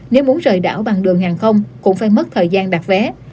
nếu muốn rời đảo bằng đường hàng không cũng phải mất thời gian đặt vé